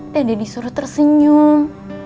dan dedek disuruh tersenyum